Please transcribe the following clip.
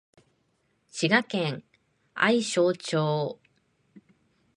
滋賀県愛荘町